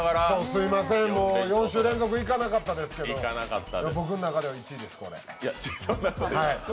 すみません、４週連続いかなかったですけど僕の中では１位です。